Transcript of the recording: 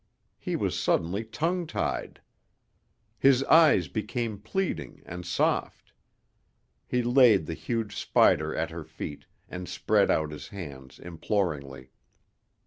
He was suddenly tongue tied. His eyes became pleading and soft. He laid the huge spider at her feet and spread out his hands imploringly.